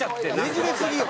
ねじれすぎよ。